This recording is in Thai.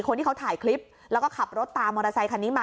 คนที่เขาถ่ายคลิปแล้วก็ขับรถตามมอเตอร์ไซคันนี้มา